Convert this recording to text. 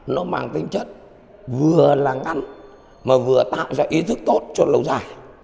nó mang tính chất vừa là ngăn mà vừa tạo ra ý thức tốt cho lâu dài